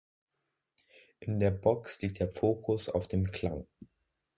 In der „Box“ liegt der Fokus auf dem Klang.